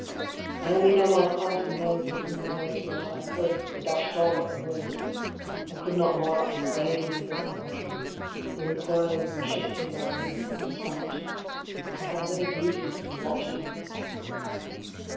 I only know my part and theirs with whom I waited at our post or dashed on at the word, I could not mark the swaying of the squadrons, the recoils and shifting ground and sudden strategies, and had no duty to be watching them.